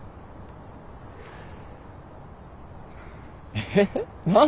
えっ？何で？